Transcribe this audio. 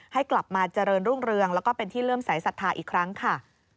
ให้กลับมาเจริญรุ่งเรืองแล้วก็เป็นที่เริ่มสายศรัทธาอีกครั้งค่ะ